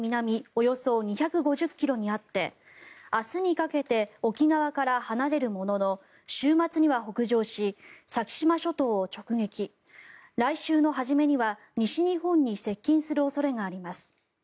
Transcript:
およそ２５０ｋｍにあって明日にかけて沖縄から離れるものの週末には北上し先島諸島を直撃来週の初めには、西日本に接近する恐れがあります。